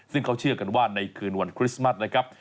ซึ่งเขาเชื่อกันว่าในคืนวันคริสต์มัสนะครับ